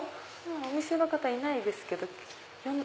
お店の方いないですけど。